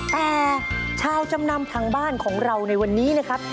แต่ชาวจำนำทางบ้านของเราในวันนี้นะครับ